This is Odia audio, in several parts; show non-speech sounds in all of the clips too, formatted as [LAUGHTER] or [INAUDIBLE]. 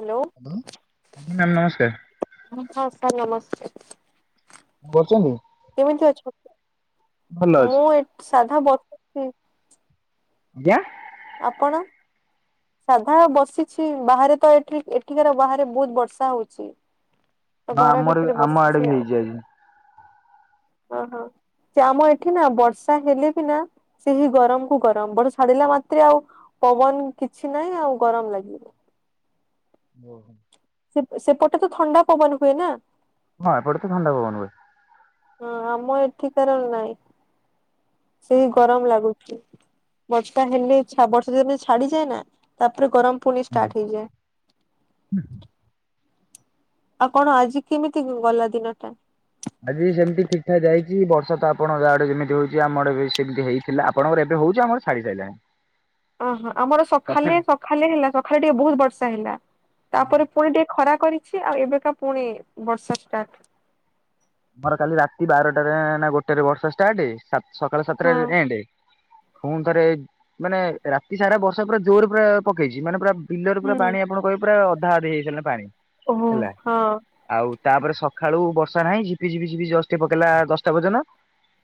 ହ୍ୟାଲୋ ଆଜ୍ଞା ମ୍ୟାମ୍ ନମସ୍କାର। ହ ସାର୍ ସାର୍ ନମସ୍କାର। କରୁଛନ୍ତି। କେମିତି ଅଛନ୍ତି ଭଲ ଅଛି। ମୁଁ ଏ ସାଧା ବସିଚି। ଜ୍ଞା। ଆପଣ? ସାଧା ବସିଛି ବାହାରେ ତ ଏଠି ଏଠିକାର ବାହାରେ ବହୁତ ବର୍ଷା ହଉଛି। ତ ବା ଘର ଆମର ବି ଭିତରେ ଆମ ଆଡେ ବି ହେଇଛି ଆଜି। ଓ ହୋ। ଯେ ଆମ ଏଠି ନା ବର୍ଷା ହେଲେ ବି ନା ସେହିି ଗରମ କୁ ଗରମ ବର୍ଷ ଛାଡିଲା ମାତ୍ରେ ଆଉ ପବନ କିଛି ନାହିଁ ଆଉ ଗରମ ଲାଗିବ। ଓହୋ। ସେ ସେପଟେ ତ ଥଣ୍ଡା ପବନ ହୁଏ ନା। ହଁ ଏପଟ ତ ଠାଣ୍ଡା ପବନ ହୁଏ। ହଁ ଆମ ଏଠି କାରଣ ନହିଁ ସେଇ ଗରମ ଲାଗୁଛି। ମଚକା ହେଲେ ବର୍ଷା ଦିନ ଛାଡିଯାଏ ନା ତାପରେ ଗରମ ପୁଣି ଆଜ୍ଞା। ଷ୍ଟାର୍ଟ ହେଇଯାଏ। ଆପଣ ଆଜି କେମିତି ଗଲା ଦିନଟା? ଆଜି ସେମିତି ଠିକ୍ ଠାକ ଯାଇଛି ବର୍ଷା ତ ଆପଣ ଯାଆଡେ ଯେମିତି ହଉଛି ଆମରଡେ ସେମିତି ହେଇଥିଲା ଆପଣଙ୍କର ଏବେ ହଉଛି ଆମର ଛାଡି ସାରିଲା। ଓହୋ ଆମର ସକାଳେ ସକା ହେଲା ସକାଳେ ଟିକେ ବହୁତ ବର୍ଷା ହେଲା। ଆଜ୍ଞା। ତାପରେ ପୁଣି ଟିକେ ଖରା କରିଛି ଆଉ ଏବେକା ପୁଣି ବର୍ଷା ଷ୍ଟାର୍ଟ। ମୋର କାଲି ରାତି ବାରଟାରେ ନା ଗୋଟେରେ ବର୍ଷା ଷ୍ଟାର୍ଟ ସା ସକାଳ ହଁ ସାତତରେ ଏଣ୍ଡି ଫୁଣି ଥରେ ମାନେ ରାତି ସାରା ବର୍ଷା ପୁରା ଜୋର ପୁରା ପକେଇଛି ମାନେ ପୁରା ପିଲର ପୁରା ହୁଁ। ପାଣି ଆପଣ କିହିବେ ପୁରା ଅଧା ଅଧି ହେଇସାରିଲାଣି ପାଣି। ଓହୋ ହେଲା ହଁ। ଆଉ ତାପରେ ସଖଳୁ ବର୍ଷା ନାହିଁ ଝିପିଝପି ଝିପି ଜଷ୍ଟ ଟିକେ ପକେଇଲା ଦଶଟା ପର୍ଯ୍ୟନ୍ତ।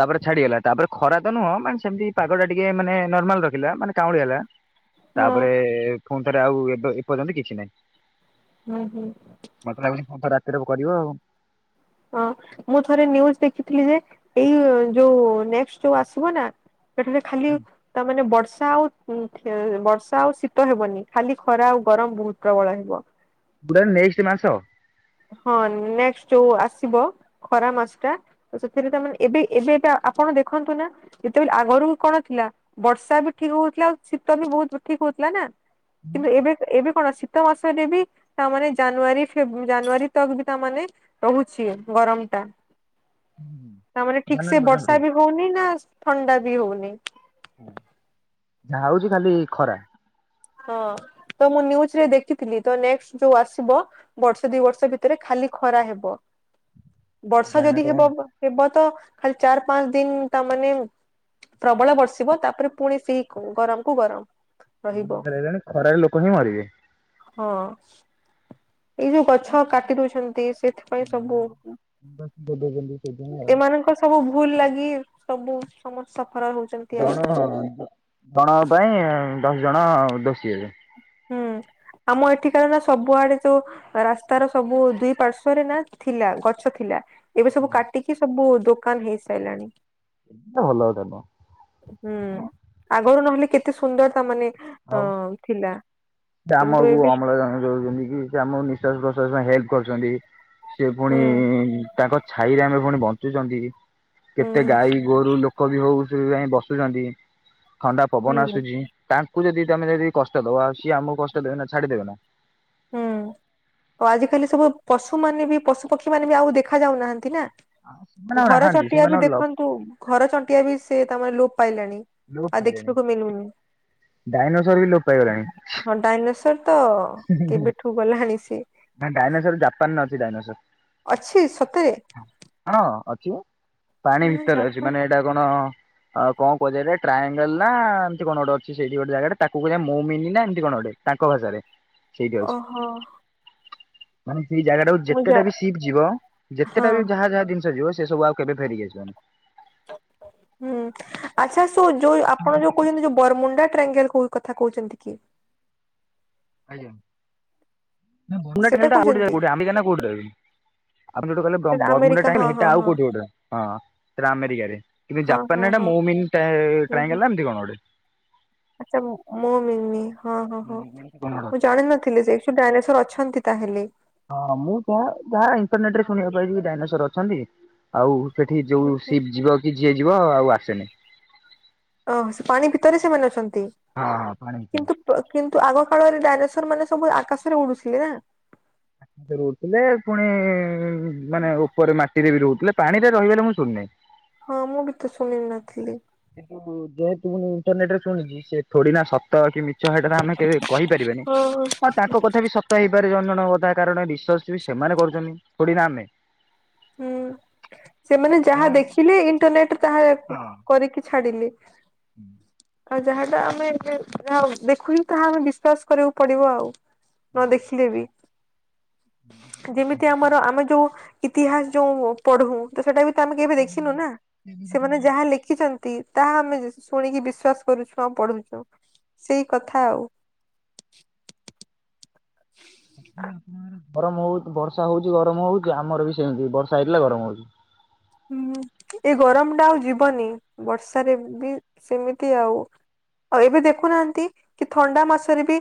ତାପରେ ଛାଡିଗଲା ତାପରେ ଖରା ତ ନୁହଁ ମାନେ ସେମିତି ପାଗଟା ଟିକେ ମାନେ ନର୍ମାଲ ରଖିଲା ମାନେ କାଉଁଳେଇଲା। ହଁ ତାପରେ ଫୁଣି ଥରେ ଆଉ ଏବେ ଏ ଏପର୍ଯ୍ୟନ୍ତ କିଛି ନାଇଁ। ହୁଁ ହୁଁ। ସେଇଟାକୁ କରିବ ଆଉ। ହଁ ମୁଁ ଥରେ ନ୍ୟିୟୁଜ ଦେଖିଥିଲି ଯେ ଏଇ ଯୋଉ ନେଷ୍ଟ ଯୋଉ ଆସିବ ନା? ଏଠାରେ ଖାଲି ତା ମାନେ ବର୍ଷ ବର୍ଷା ଆଉ ଖେ ବର୍ଷା ଆଉ ଶୀତ ହେବନି ଖାଲି ଖରା ଆଉ ଗରମ ବହୁତ୍ ପ୍ରବଳ ହେବ। କଉଟା ଗୋଟେ ନେଷ୍ଟ ମାସ ହଁ ନେଷ୍ଟ ଯୋଉ ଆସିବ ଖରା ମାସ ଟା ସେଥିରେ ତାମାନେ ଏବେ ଏବେ ଟା ଆପଣ ଦେଖନ୍ତୁ ନା ଯେତେବେଳେ ଆଗରୁ କଣ ଥିଲା ବର୍ଷା ବି ଠିକ୍ ହଉଥିଲା ଆଉ ଶୀତ ବି ବହୁତ ଠିକ୍ ହଉଥିଲା ନା କିନ୍ତୁ ଏବେ ଏବେ କଣ ଶୀତ ମାସରେ ବି ତାମାନେ ଜାନୁଆରୀ ଫେବୃ ଜାନୁଆାରୀ ତକ ବି ତାମାନେ ରହୁଛି ଗରମ ଟା ତା ମାନେ ଠିକ୍ ଜାନୁଆରୀ ସେ ପର୍ଯ୍ୟନ୍ତ ବର୍ଷା ରହୁଛି। ବି ହଉନି ନାଁ ଥଣ୍ଡା ବି ହଉନି? ହୁଁ ଯାହା ହଉଛି ଖାଲି ଖରା। ହଁ ତ ମୁଁ ନ୍ୟିୟୁଜ୍ ଦେଖିଥିଲି ତ ନେଷ୍ଟ ଯୋଉ ଆସିବ ବର୍ଷେ ଦି ବର୍ଷ ଭିତରେ ଖାଲି ଖରା ହବ। [INAUDIBLE] ବର୍ଷା ଯାହାନା ଯଦି ତ ହେବ ହେବ ତ ଖାଲି ଚାର ପାଞ୍ଚ ଦିନ ତା ମାନେ ପ୍ରବଳ ବର୍ଷିବ ତାପରେ ପୁଣି ସେଇ ଗରମ କୁ ଗରମ ଉଁ ରହିବ ଯା ଲାଗିଲାଣି ଖରାରେ ଲୋକ ହିଁ ମରିବେ। ହଁ। ଏଇ ଯୋଉ ଗଛ କାଟି ଦଉଛନ୍ତି ସେଥିପାଇଁ ସବୁ [UNINTELLIGIBLE] ସେଇଥିପାଇଁ ଆଉ। ଭୁଲ୍ ଲାଗି ସବୁ ସମ ସପ ଜଣ ଜଣଙ୍କ ପାଇଁ ଦଶ ଜଣ ଦୋଷୀ ହେବେ। ହୁଁ [INAUDIBLE] ଆମ ଏଠିକାର ନା ସବୁଆଡେ ଯୋଉ ରାସ୍ତାର ସବୁ ଦିଇ ପାର୍ଶ୍ଵରେ ନାଁ ଥିଲା ଗଛ ଥିଲା। ଏବେ ସବୁ କାଟିକି ସବୁ ଦୋକାନ ହେଇସାଇଲାଣି। ଏଟା ଭଲ କଥା ନୁହଁ। ହୁଁ ଆଗରୁ ନହେଲେ କେତେ ସୁନ୍ଦର ତା ମାନେ ଅ ଆଉ ଥିଲା ସେ କିନ୍ତୁ ଆମକୁ ଏବେ ଅମ୍ଳଜାନ ଦଉଚନ୍ତି କି ସେ ଆମକୁ ନିଶ୍ୱାସ ପ୍ରଶ୍ୱାସ ପାଇଁ ହେଲ୍ପ କରୁଛନ୍ତି ସେ ପୁଣି ହୁଁ ତାଙ୍କ ଛାଇରେ ଆମେ ପୁଣି ବଞ୍ଚୁଚନ୍ତି। ହୁଁ କେତେ ଗାଈ ଗୋରୁ, ଲୋକ ବି ହଉ ସେ ଜାଇ ବସୁଛନ୍ତି। ଥଣ୍ଡା ପବନ ହୁଁ ଆସୁଚି ତାଙ୍କୁ ଯଦି ତମେ ଯଦି କଷ୍ଟ ଦବ ସିଏ ଆମକୁ କଷ୍ଟ ଦେବେ ନା ଛାଡ଼ିଦେବେ ନା? ହୁଁ ଆଉ ଆଜିିକାଲି ସବୁ ପଶୁ ମାନେ ବି ପଶୁ, ପକ୍ଷୀ ମାନେ ବି ଆଉ ଦେଖା ଯାଉନାହାନ୍ତି ନା, ସେମାନେ ଆଉ ଘର ନାହାନ୍ତି ଚଟିଆ ସେମାନେ ବି ଆଉ ଦେଖନ୍ତୁ ଘର ଚଟିଆ ବି ସେ ତା ମାନେ ଲୋ ପାଇଲାଣି ଲୋପ ଆଉ ପାଇଲେଣି ଦେଖିବାକୁ ମିଳୁନି। ଡାଇନୋସର ବି ଲୋପ ପାଇଗଲାଣି ହଁ, ଡାଇନସର ତ କେବେଠୁ ଗଲାଣି ସିଏ। ନା ଡାଇନୋସର ଜାପାନରେ ଅଛି ଡାଇନୋସର। ଅଛି ସତରେ? ହଁ ପାଣି ହଁ ଭିତରେ ଅଛି ଜାପାନ ମାନେ ଏଇଟା କଣ? ଆଉ କଣ କୁହାଯାଏ ଟ୍ରାଆଙ୍ଗଲେ ନା ଏମିତି କଣ ଗୋଟେ ଅଛି ସେଇଠି ଗୋଟେ ଜାଗାରେ ତାକୁ କୁହାଯାଏ ମୋମିନି ନା ଏମିତି କଣ ଗୋଟେ? ତାଙ୍କ ଭାଷାରେ। ସେଇଠି ଅଛି ଓହୋ। ମାନେ ସେଇ ଜାଗାଟାକୁ ମୁଁ ଯା ଯେତେଟା ବି ସିପ ଯିବ ହଁ ଯେତେଟା ବି ଯାହା ଯାହା ଜିନିଷ ଯିବ ସେ ସବୁ ଆଉ କେବେ ଫେରିକି ଆସିବନି। ହୁଁ, ଆଚ୍ଛା ସୋ ଯୋଉ ଆପଣ ଯୋଉ କହୁଛନ୍ତି, ଯୋଉ ବରମୁଣ୍ଡା ଟ୍ରାଙ୍ଗେଲ୍ କଥା କହୁଛନ୍ତି କି? ଆଜ୍ଞା! [INAUDIBLE] ସେଇଟା କହୁଛନ୍ତି ଆପଣ, ଯୋଉଟା କହିଲେ ସେଟା ବରମୁଣ୍ଡା ଆମେରିକା ଟ୍ରାଙ୍ଗେଲେ ହଁ ହେଟା ହଁ ଆଉ ହଁ କଉଠି ଗୋଟେ ହଁ, ହେଟା ଆମେରିକାରେ। କିନ୍ତୁ ହଁ ଜାପାନରେ ହଁ ହେଟା ହଁ ମୋମିନ୍ ଟା- ଟ୍ରାଙ୍ଗେଲେ ଏମତି କଣ ଗୋଟେ? ଆଚା, ମୋମିନି ହଁ, ହଁ, ହଁ ମୁଁ ଜାଣିନଥିଲି ଯେ, ଏଇ ଯୋ ଡାଇନେସର୍ ଅଛ ଛନ୍ତି ତାହେଲେ? ମୁଁ ଯାହା ଯାହା ଇଣ୍ଟରନେଟ ରେ ଶୁଣିବାକୁ ପାଇଛି କି ଡାଇନୋସର ଅଛନ୍ତି। ଆଉ ସେଠି ଯୋଉ, ସିପ୍ ଯିବ କି, ଯିଏ ଯିବ, ଆଉ ଆସେନି। ଓହୋ! ସେ ପାଣି ଭିତରେ ସେମାନେ ଅଛନ୍ତି? ହଁ ହଁ ପାଣି ତେ ଭିତରେ। କିନ୍ତୁ, କିନ୍ତୁ, ଆଗ କାଳରେ ଡାଇନେସର ମାନେ ସବୁ ଆକାଶରେ ଉଡୁଥିଲେ ନା? ଆକାଶରେ ଉଡୁଥିଲେ। ପୁଣି-ଇ ମାନେ ଉପରେ ମାଟିରେ ବି ରହୁ ହେଲେ, ପାଣିରେ ରହିବାର ମୁଁ ଶୁଣିନି। ହଁ, ମୁଁ ବି ତ ଶୁଣି ନଥିଲି। ଯେହେତୁ, ମୁଁ ଇଣ୍ଟରନେଟ ରେ ଶୁଣିଛିି। ସେ ଥୋଡିନା ସତ ସତ କି ମିଛ ହେଇଟା ତ ଆମେ କେବେ କହିପାରିବାନି! ହଁ, ତାଙ୍କ କଥା ବି ସତ ହେଇପାରେ ଜଣ ଜଣଙ୍କର କାରଣ, ରିସର୍ଚ୍ଚ ବି ସେମାନେ କରୁଛନ୍ନି, ଥୋଡି ନା ଆମେ! ହୁଁ, ସେମାନେ ଯାହା ହଁ। ଦେଖିଲେ, ଇଣ୍ଟରନେଟ୍ ରେ ତାହା କରିକି ଛାଡ଼ିଲି। ହୁଁ, ଆଉ, ଯାହାଟା ଆମେ-ଏ-ଏ ଯାହା ଦେଖୁଛୁ, ତାହା ଆମେ ବିଶ୍ଵାସ କରିବାକୁ ପଡିବ ଆଉ। ନ ଦେଖିଲେ ବି ଯେମିତି ଆମର ଆମେ ଯୋଉ [INAUDIBLE] ଇତିହାସ ଯୋଉଁ ପଢୁଁ! ତ ସେଟା ବି ତ ଆମେ କେବେ ଦେଖିନୁନା, ସେମାନେ ଯାହା ଲେଖିଛନ୍ତି ତାହା ଆମେ ଯେ ଶୁ-ଶୁଣିକି ବିଶ୍ଵାସ କରୁଛୁ, ଆଉ ପଢୁଁଛୁ ସେଇ କଥା ଆଉ। ଗରମ ହଉ, ବର୍ଷା ହଉଛି ଗରମ ହଉଛି। ଆମର ବି ସେମିତି ବର୍ଷା ହେଇଥିଲା, ଗରମ ହଉଚି। ହୁଁ, ଏ ଗରମ ଟା ଆଉ ଯିବନି। ବର୍ଷାରେ ବି ସେମିତି ଆଉ ଆଉ ଏବେ ଦେଖୁନାହାଁନ୍ତି! କି ଥଣ୍ଡା ମାସରେ ବି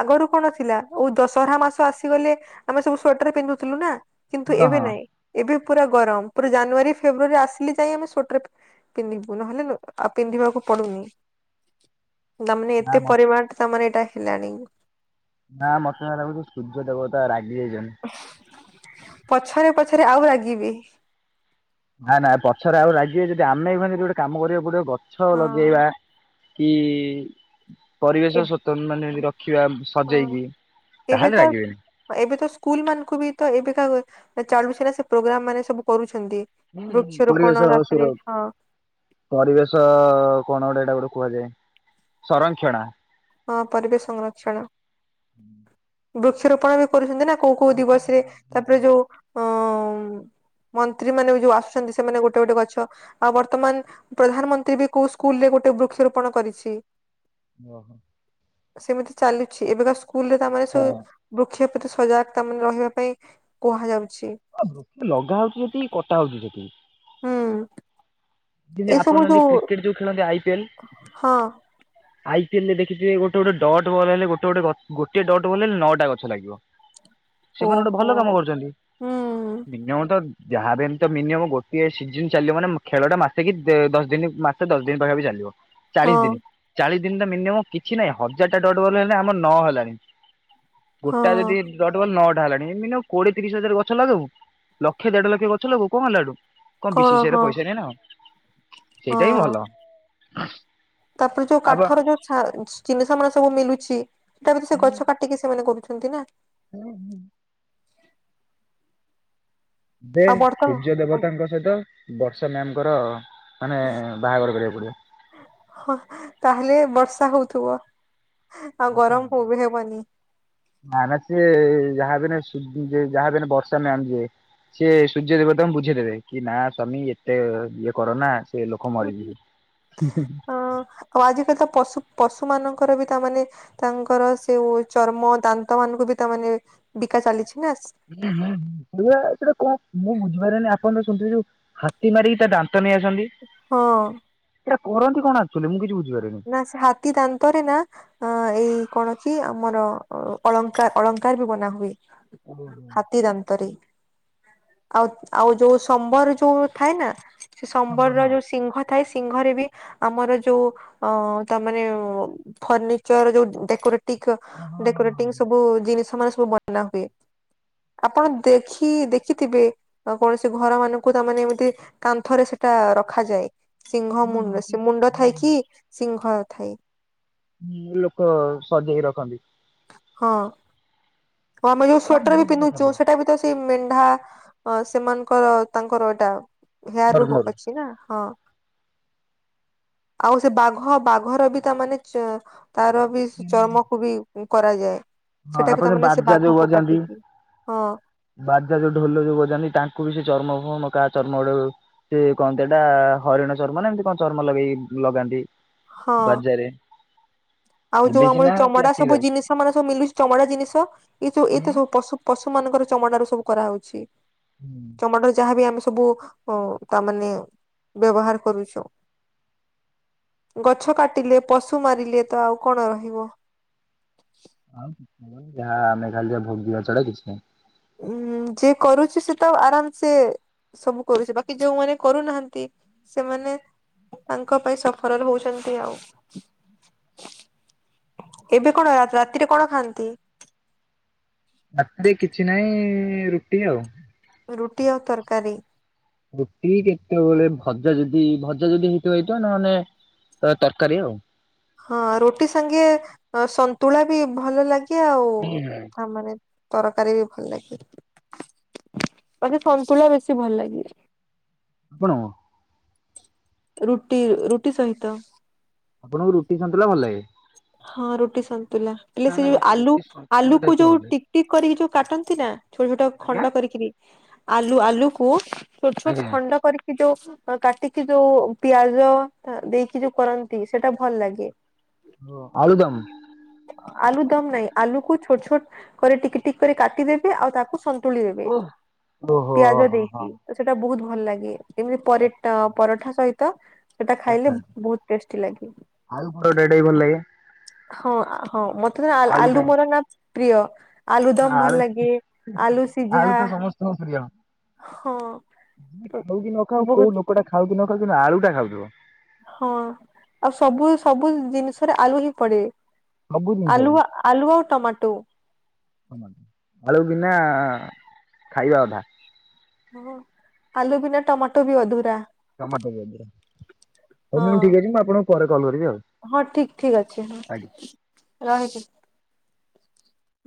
ଆଗରୁ କଣ ଥିଲା ଉ ଦଶହରା ମାସ ଆ ଆସିଗଲେ, ଆମେ ସବୁ ସ୍ଵେଟର ପିନ୍ଧୁଥିଲୁ ନା! କିନ୍ତୁ ହଁ ଏବେ, ହଁ। ନାଇଁ, ଏବେ ପୁରା ଗରମ। ପରେ ଜାନୁଆରୀ, ଫେବୃୟାରୀ ଆସିଲେ ଯାଇ ଆମେ ସ୍ଵେଟର ପିନ୍ହିବୁ, ନହେଲେ ନ ଆଉ ପିନ୍ଧିବାକୁ ପଡୁନି। ତା, ମାନେ ନା ଏତେ ମ ପରିମାଣ ତା, ମାନେ ଏଟା ହେଲାଣି। ନା, ମତେ ଯାହା ଲାଗୁଛି! ସୂର୍ଯ୍ୟ ଦେବତା ରାଗି ଯାଇଛନ୍ତି। ଥେରେ ଆଉ ରାଗିବି। ନା, ନା, ପଛରେ ଆଉ ରାଗିବେ ଯଦି, ଆମେ ଏଇଖୁଣା ଯଦି ଗୋଟେ କାମ କରିବା କୁ ପଡ଼ିବ! ଗଛ ଲଗେଇବା ହଁ କି-ଇ ଏ ପରିବେଶ ସୋତନ୍ ମାନେ ରଖିବା ହଁ ସଜେଇକି? ଏବେ ତାହେଲେ ତ, ରାଗିବେନି। ଏବେ ତ ସ୍କୁଲ ମାନଙ୍କୁ ବି ତ ଏବେକା ଚାଲୁଛେ, ନା ସେ ପ୍ରୋଗ୍ରାମ୍ ମାନେ ସବୁ କରୁଛ ପରିବେଶ ସୁର ହଁ ପରିବେଶ-ଅ କଣ ଗୋଟେ ଏଇଡା ଗୋଡ଼ୁ କୁହାଯାଏ, ସଂରକ୍ଷଣା। ହଁ, ପରିବେଶ ସଂରକ୍ଷଣ। ବୃକ୍ଷରୋପଣ ବି କରୁଛନ୍ତି ନା କୋଉ କୋଉ ଦିବସ ରେ? ତା'ପରେ ଯୋଉ ଅ ମନ୍ତ୍ରୀ ମାନେ ବି ଯୋଉ ଆସୁଛନ୍ତି। ସେମାନେ ଗୋଟେ ଗୋଟେ ଗଛ ଆଉ, ବର୍ତ୍ତମାନ ପ୍ରଧାନମନ୍ତ୍ରୀ ବି କୋଉ ସ୍କୁ ଫୁଲେ ଗୋଟେ ବୃକ୍ଷରୋପଣ କରିଛି। ଓହୋ! ସେମିତି ଚାଲୁଛି। ଏବେକା ସ୍କୁଲ ରେ ତା, ମାନେ ସବୁ ହଁ ବୃକ୍ଷ ଏତେ ସଜାଗ ତା ମାନେ ରହିବା ପାଇଁ କୁହାଯାଉ ଆ ବୃକ୍ଷ ଲଗା ହଉଛି ଯେତିକି, କଟା ହଉଛି ସେତିକି। ହୁଁ ଯିତିଁ ଆପଣ ମାନେ କ୍ରିକେଟ୍ ଯୋଉ ଖେଳନ୍ତି! ଆଇ ପିଏଲ ହଁ। ଆଇ ପି ଏଲ ରେ ଦେଖିଥିବେ ଗୋଟେ ଗୋଟେ ଡ଼ଟ ବଲ ହେଲେ ଗୋଟେ ଗୋଟେ ଗ ଗୋଟିଏ ଡ଼ଟ ବଲ ହେଲେ ନଅଟା ଗଛ ଲାଗିବ। ସେମାନେ ଗୋଟେ ଭଲ ଓହୋ କାମ କରୁଛନ୍ତି ହୁଁ ମିନିମମ ତ ଯାହା ବି ଏମିତି ତ ମିନିମମ ଗୋଟିଏ ସିଜିନ ଚାଲିବ ମାନେ ମ ଖେଳଟା ମା ସେ କି ଦେ ଦଶ ଦିନ ମାସେ ଦଶ ଦିନ ପାଖାପାଖି ଚାଲିବ ଚାଳିଶ ହଁ। ଦିନି ଚାଳିଶ ଦିନ ତ ମିନିମମ କିଛି ନାହିଁ ହଜାର ଟା ଡଟ ବଲ ହେନେ ଆମର ନ ହେଲାଣି। ହଁ ଗୋଟାଏ ଯଦି ଡଟ ବଲ ନଅ ଟା ହେଲାଣି ମିନିମମ କୋଡିଏ ତିରିଶ ହଜାର ଗଛ ଲଗଉ ଲକ୍ଷେ ଦେଢ ଲକ୍ଷ ଗଛ ଲଗଉ କଣ ହେଲା ସେଠୁ। କଣ ବି ଶି ସି ଆଇ ର ପଇସା ନାହିଁ ନା କଣ? ସେଇଟା ହିଁ ହଁ ଭଲ। ତାପରେ ଯୋଉ ଆବ କାଠର ଯୋଉ ଛା ସ ଜିନିଷ ମାନ ସବୁ ମିଲୁଛି। ସେଟା ବି ସେ ତ ଗଛ କାଟିକି ସେମାନେ କରୁଛନ୍ତି ନା। ହୁଁ ହୁଁ। ବେ ଆଉ ସୂର୍ଯ୍ୟ ବର୍ତ୍ତମାନ ଦେବତାଙ୍କ ସହିତ ବର୍ଷା ମ୍ୟାମଙ୍କର ମାନେ ବାହାଘର କରିବାକୁ ପଡ଼ିବ। ହଁ ତାହେଲେ ତ ହଉଥୁବ ଆଉ ଗରମକୁ ଉଗୁରି ହେବନି। ମାନେ ସିଏ ଯାହା ବି ହେନେ ସୁଦୁ ଇଏ ଯାହା ବି ହେନେ ଇଏ ବର୍ଷ ତା ମ୍ୟାମ ଯିଏ ସିଏ ସୂର୍ଯ୍ୟ ଦେବତାଙ୍କୁ ବୁଝେଇଦେବେ କି ନା ସ୍ୱାମୀ ଏତେ ଇଏ କର ନା ସେ ଲୋକ ହୁଁ ମରିଯିବେ। ହୁଁ ଅ ଆଉ ଆଜିି କାଲି ତ ପଶୁ ପଶୁ ମାନ ଙ୍କର ବି ତାମାନେ ତାଙ୍କର ସେଉ ଚର୍ମ ଦାନ୍ତ ମାନଙ୍କୁ ବି ତାମାନେ ବିକା ଚାଲିଛି ନା ହୁଁ ହୁଁ ହୁଁ ସେୟା ସେଟା କଣ ମୁଁ ବୁଝିପାରେନି ଆପଣ ତ ଶୁଣିଥିବେ ଯୋଉ ହାତୀ ମାରିକି ତା ଦା ନ୍ତ ନେଇ ଆସନ୍ତି ହଁ ସେଇଟା କରନ୍ତି କଣ ଆକଚୁଲି ମୁଁ କିଛି ବୁ ନା ସେ ହାତୀ ଦାନ୍ତରେ ନା ଅ ଏଇ କଣ ଅଛି ଆ ଆମର ଅ-ଅଳଙ୍କାର ଅଳଙ୍କାର ବି ବନାହୁଏ ହାତୀ ଦାନ୍ତରେ। ଆଉ ଆଉ ଯୋଉ ସମ୍ବର ଯୋଉ ଥାଏ ନା ସେ ସମ୍ବରର ଯୋଉ ସିଂଘ ଥାଏ ସିଂଘରେ ବି ଆମର ଯୋଉ ଅ ତାମାନେ ଓ ଫର୍ନିଚର ଯୋଉ ଉଁ ଡେକୋରେ ତିଖ ଡେକୋରେଟିଙ୍ଗ ସବୁ ଜିନିଷ ମାନ ସବୁ ବନା ହୁଏ। ଆପଣ ଦେଖି ଦେଖିଥିବେ ଆ କୌଣସି ଘର ମାନଙ୍କୁ ତାମାନେ ଏମିତି କାନ୍ଥରେ ସେ ତା ରଖାଯାଏ ସିଂଘ ମୁଣ୍ଡ ସେ ମୁଣ୍ଡ ଥାଇ କି ସିଂଘ ଥାଏ। ହୁଁ ଲୋକ ସଜେଇ ରଖନ୍ତି। ହଁ। ହଁ ମୁଁ ଏଇ ଯୋଉ ସ୍ଵେଟର ବି ପିନ୍ଧୁଚୁ ସେଇଟା ବି ତ ସେଇ ମେ ଯାହା ଅ ସେମାନଙ୍କର ତାଙ୍କର ଏଇଟା ହେୟାର ରୁ କୁ ଧର୍ମରୁ। ଅଛି ନା ହଁ। ଆଉ ସେ ବାଘ ବାଘର ବି ତା ମାନେ ଚ ତାର ବି ସେ ଚର୍ମକୁ ବି ଉଁ କରାଯାଏ। ହଁ ସେଟା ବି ଆପଣ ବା ତାମାନେ ସେ ବାଜା ଯୋଉ ବାଘକୁ ବଜାନ୍ତି କାଟିକି ହଁ ବାଜା ଯୋଉ ଢୋଲ ଯୋଉ ବଜାନ୍ତି ତାଙ୍କୁ ବି ସେ ଚ ଚର୍ମ ଫର୍ମ କା ଚର୍ମ ଗୋଟେ ସେ କଣ ତ ସେଇଟା ହରିଣ ଚର୍ମ ନା ଏମିତି କଣ ଚର୍ମ ଲଗେଇ ଲଗାନ୍ତି। ହଁ ବାଜା ରେ। ଆଉ ଯୋଉ ଆମର ଚମଡା ସବୁ ଜିନିଷ ଆମର ସବୁ ମିଲୁ ଚମଡା ଜିନିଷ ଏ ସବୁ ଏଇତ ସବୁ ପଶୁ ପଶୁ ମାନଙ୍କର ଚମଡାରୁ ସବୁ କରା ହଉଛି। ଚମଡ଼ାର ଯାହା ବି ଆମେ ସବୁ ଉ ତା ମାନେ ବ୍ୟବହାର କରୁଛୁ। ଗଛ କାଟିଲେ ପଶୁ ମାରିଲେ ତ ଆଉ କଣ ରହିବ? ଆଉ ଆମେ ଯାହା ଆମେ ଖାଲି ଯାହା ଭୋଗିବା ଛଡ଼ା କିଛି ନାଇଁ। ଉଁ ଯିଏ କରୁଛି ସିଏ ତ ଆରାମ ସେ। ସବୁ କରୁଛି ବାକି ଯୋଉମାନେ କରୁନାହାନ୍ତି ସେମାନେ। ତାଙ୍କ ପାଇଁ ସଫରାଲ ହଉଛନ୍ତି ଆଉ। [INAUDIBLE] ଏବେ କଣ ରାତିରେ କଣ ଖାଆନ୍ତି? ରାତିରେ କିଛି ନାହିଁ ରୁଟି ଆଉ। ରୁଟି ଆଉ ତରକାରୀ। ରୁଟି କେତେବେଳେ ଭଜା ଯଦି ଭଜା ଯଦି ହେଇଥିବ ହେଇଥିବ ନ ହେଲେ ତ ତରକାରୀ ଆଉ। ହଁ ରୁଟି ସାଙ୍ଗେ ସନ୍ତୁଳା ବି ଭଲ ଲାଗେ। ଆଉ ହୁଁ। ତା ମାନେ ତରକାରୀ ବି ଭଲ ଲାଗେ। ବାକି ସନ୍ତୁଳା ବେଶୀ ଭଲ ଲାଗେ। ଆପଣଙ୍କୁ? ରୁଟି ରୁଟି ସହିତ। ଆପଣଙ୍କୁ ରୁଟି ସନ୍ତୁଳା ଭଲ ଲାଗେ? ହଁ ରୁଟି ସନ୍ତ ହେଲେ ସେ ଯୋଉ ଆଲୁ ଆଲୁ କୁ ଯୋଉ ଟିକଟିକ କରିକି ଯୋଉ କାଟନ୍ତି ନା ଛୋଟ ଛୋଟ ଖଣ୍ଡ କରି କିରୀ ଆଲୁ ଆଲୁକୁ ଛୋଟ ଛୋଟ ଖଣ୍ଡ କରିକି ଯୋଉ କାଟିକି ଯୋଉ ପିଆଜ ଦେଇକି ଯୋଉ କରନ୍ତି ସେଟା ଭଲ ଲାଗେ। ଆଳୁଦମ୍ ଆଲୁ ଦମ ନାହିଁ ଆଲୁକୁ ଛୋଟ ଛୋଟ କରି ଟିକ ଟିକ କରି କାଟିଦେବେ ଆଉ ତାକୁ ସନ୍ତ୍ ସନ୍ତୁଳି ଦେବେ ଓହୋ ପିଆଜ ହୋ ହଁ ଦେଇକି ସେଟା ବହୁତ ଭଲ ଲାଗେ ଏଭଳି ପରେଟ ପରଟା ସହିତ ସେଟା ଖାଇଲେ ବହୁତ ଟେଷ୍ଟି ଲାଗେ। ଆଳୁ ପରଟା ଟା ବି ଭଲ ଲାଗେ ହଁ ହଁ ମତେ ଆଲ୍ ଆଳୁଟା ଆଳୁ ମୋର ନା ପ୍ରିୟ। ଆଳୁ ଦମ ଭଲ ଲାଗେ ଆଳୁ ଆଳୁ ସିଝା ତ ସମସ୍ତଙ୍କ ପ୍ରିୟ। ହଁ। ଖାଉ କି ନ ଖାଉ କୋଉ ବହୁତ ଲୋକଟା ଖାଉ କି ନ ଖାଉ ସେ ଆଳୁ ଟା ଖାଉଥିବ। ହଁ ଆଉ ସବୁ ସବୁ ଜିନିଷରେ ଆଲୁ ହିଁ ପଡେ। ସବୁ ଜିନିଷରେ ଆଲୁ ଆଲୁ ଆଉ ଟମାଟୋ। ଆଳୁ ବିନା ଖାଇବା ଅଧା। ହଁ ଆଲୁ ବିନା ଟମାଟୋ ବି ଅଧୁରା। ଟମାଟୋ ହଉ ହଁ ମ୍ୟାଡାମ ଠିକ ଅଛି ମୁଁ ଆପଣଙ୍କୁ ପରେ କଲ୍ କରିବି ଆଉ ହଁ ଠିକ ଠିକ ଅଛି ହଁ ଆଜ୍ଞା। ରହିଲି।